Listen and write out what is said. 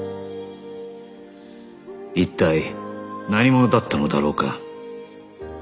一体何者だったのだろうか？